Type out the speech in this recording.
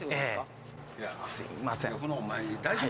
ええすいません。